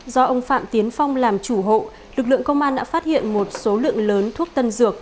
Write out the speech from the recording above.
do ông phạm tiến phong làm chủ hộ lực lượng công an đã phát hiện một số lượng lớn thuốc tân dược